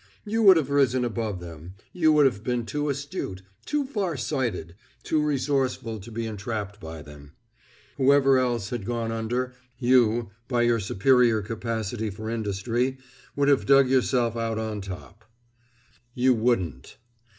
You would have risen above them; you would have been too astute, too far sighted, too resourceful to be entrapped by them. Whoever else had gone under, you by your superior capacity for industry would have dug yourself out on top. You wouldn't.